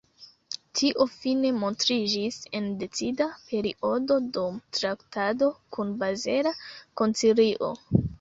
Tio fine montriĝis en decida periodo, dum traktado kun bazela koncilio.